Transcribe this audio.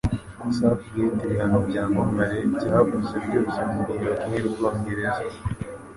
Southgate Ibihano Byamamare Byabuze Byose Mugihe Bakinira Ubwongereza